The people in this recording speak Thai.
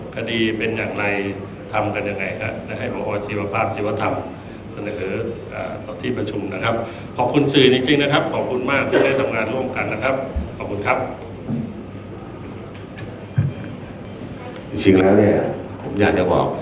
คดีเป็นอย่างไรทำกันยังไงค่ะนะครับ